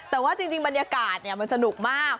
แต่ว่าจริงบรรยากาศมันสนุกมาก